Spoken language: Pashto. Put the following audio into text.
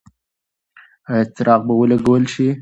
ایا څراغ به ولګول شي؟